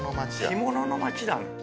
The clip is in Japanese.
干物の町だ。